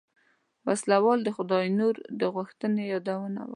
وسله وال د خداينور د غوښتنې يادونه وکړه.